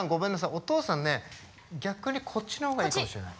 お父さんね逆にこっちのほうがいいかもしれない。